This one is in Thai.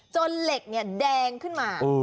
เหล็กแดงขึ้นมา